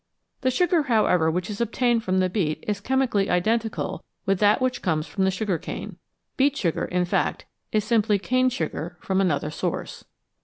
The sugar, however, which is obtained from the beet is chemically identical with that which comes from the sugar cane ; beet sugar, in fact, is simply cane sugar from another source.